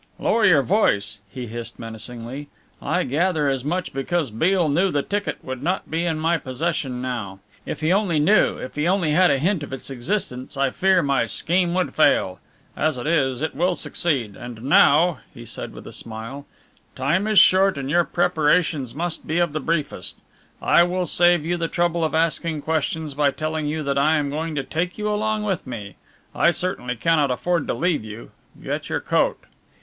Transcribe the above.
"Lower your voice!" he hissed menacingly. "I gather as much because Beale knew the ticket would not be in my possession now. If he only knew, if he only had a hint of its existence, I fear my scheme would fail. As it is, it will succeed. And now," he said with a smile, "time is short and your preparations must be of the briefest. I will save you the trouble of asking questions by telling you that I am going to take you along with me. I certainly cannot afford to leave you. Get your coat."